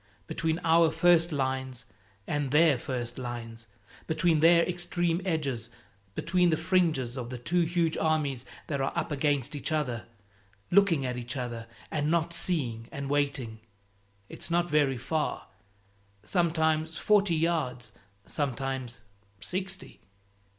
Between our first lines and their first lines, between their extreme edges, between the fringes of the two huge armies that are up against each other, looking at each other and not seeing, and waiting it's not very far; sometimes forty yards, sometimes sixty.